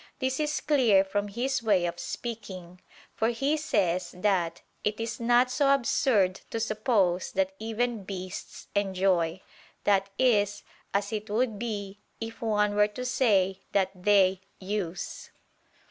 This is clear from his way of speaking: for he says that "it is not so absurd to suppose that even beasts enjoy," that is, as it would be, if one were to say that they "use."